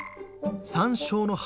山椒の葉